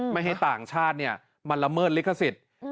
ไม่ให้ต่างชาติมาละเมิดลิขสิทธิ์